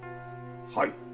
はい。